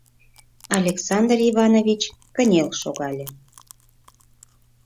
— Александр Иванович кынел шогале.